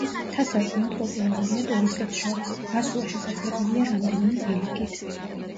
მთა საკმაოდ პოპულარულია ტურისტებს შორის; ასვლა შესაძლებელია რამდენიმე ბილიკით.